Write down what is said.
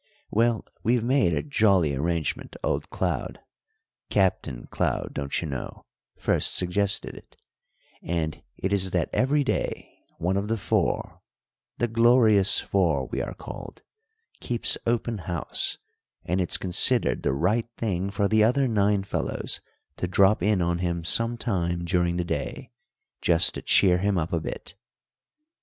Well, we've made a jolly arrangement old Cloud Captain Cloud, don't you know, first suggested it and it is that every day one of the four the Glorious Four we are called keeps open house; and it's considered the right thing for the other nine fellows to drop in on him some time during the day, just to cheer him up a bit.